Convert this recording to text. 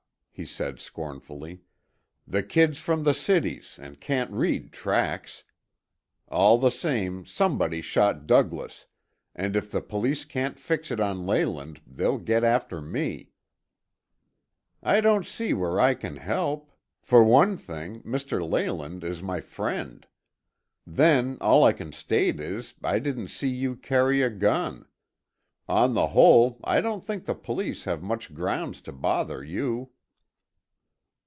he said scornfully, "the kid's from the cities and can't read tracks. All the same, somebody shot Douglas, and if the police can't fix it on Leyland, they'll get after me." "I don't see where I can help. For one thing, Mr. Leyland is my friend. Then all I can state is, I didn't see you carry a gun. On the whole, I don't think the police have much grounds to bother you."